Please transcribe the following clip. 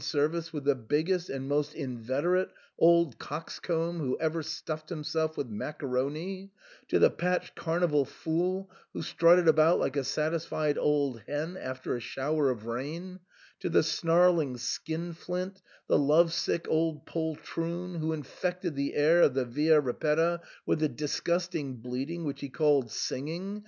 145 service with the biggest and most inveterate old cox comb who ever stuffed himself with macaroni, to the patched Carnival fool who strutted about like a satis fied old hen after a shower of rain, to the snarling skin flint, the love sick old poltroon, who infected the air of the Via Ripetta with the disgusting bleating which he called singing